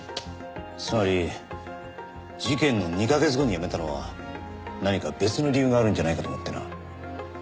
つまり事件の２カ月後に辞めたのは何か別の理由があるんじゃないかと思ってな。